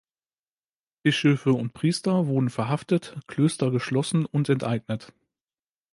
Bischöfe und Priester wurden verhaftet, Klöster geschlossen und enteignet.